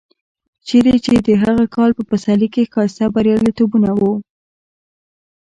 چېرې چې د هغه کال په پسرلي کې ښایسته بریالیتوبونه و.